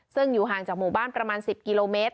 ซึ่งอยู่ห่างจากหมู่บ้านประมาณ๑๐กิโลเมตร